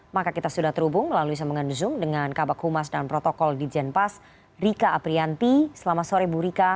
maka kita sudah terhubung melalui sambungan zoom dengan kabak humas dan protokol di jenpas rika aprianti selamat sore bu rika